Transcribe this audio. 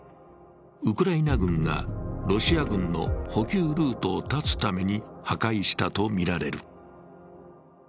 ウクライナ軍がロシア軍の補給ルートを断つために破壊したとみられる。